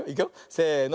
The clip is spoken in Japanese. せの。